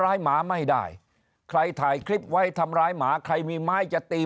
หมาไม่ได้ใครถ่ายคลิปไว้ทำร้ายหมาใครมีไม้จะตี